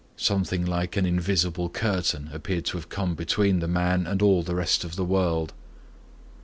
Something like an invisible curtain appeared to have come between the man and all the rest of the world.